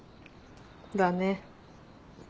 だね。